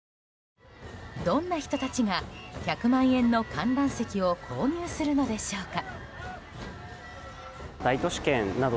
どんな人たちが１００万円の観覧席を購入するのでしょうか。